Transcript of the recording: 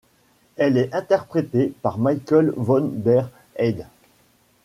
Elle est interprétée par Michael von der Heide.